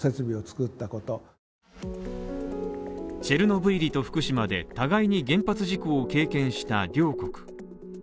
チェルノブイリと福島で互いに原発事故を経験した両国。